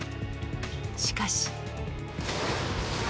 しかし。